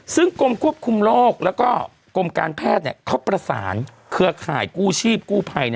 ซึ่งกรมควบคุมโรคแล้วก็กรมการแพทย์เขาประสานเครือข่ายกู้ชีพกู้ภัย